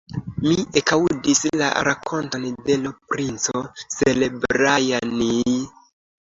Mi ekaŭdis la rakonton de l' princo Serebrjanij.